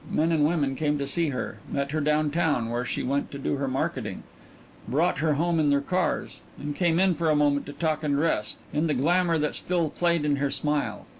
Men and women came to see her, met her down town, where she went to do her marketing, brought her home in their cars and came in for a moment to talk and to rest, in the glamour that still played in her smile.